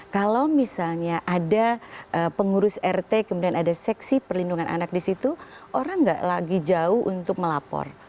kalau misalnya ada pengurus rt kemudian ada seksi perlindungan anak di situ orang nggak lagi jauh untuk melapor